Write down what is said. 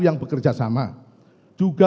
yang bekerja sama juga